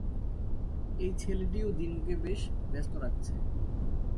এই ছেলেটিও দিনুকে বেশ ব্যস্ত রাখছে।